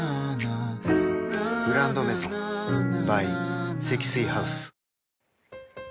「グランドメゾン」ｂｙ 積水ハウス